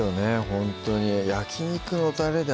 ほんとに焼肉のたれで